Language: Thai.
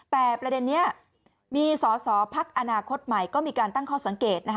แต่ประเด็นนี้มีสอสอพักอนาคตใหม่ก็มีการตั้งข้อสังเกต